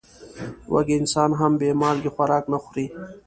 وږی انسان هم بې مالګې خوراک نه خوري.